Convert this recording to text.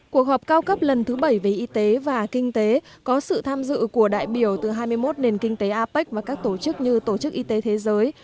cuộc họp cao cấp lần thứ bảy về y tế và kinh tế có sự tham dự của đại biểu từ hai mươi một nền kinh tế apec và các tổ chức như tổ chức y tế thế giới